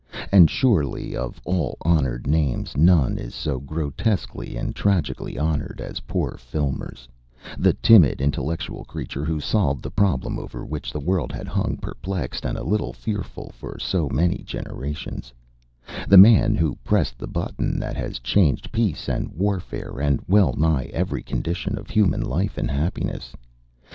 And surely of all honoured names none is so grotesquely and tragically honoured as poor Filmer's, the timid, intellectual creature who solved the problem over which the world had hung perplexed and a little fearful for so many generations, the man who pressed the button that has changed peace and warfare and well nigh every condition of human life and happiness.